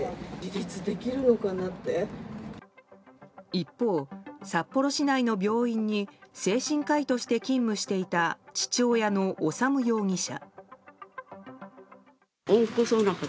一方、札幌市内の病院に精神科医として勤務していた父親の修容疑者。